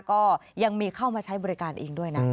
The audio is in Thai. ก็ยังมีเข้ามาใช้บริการเองด้วยนะ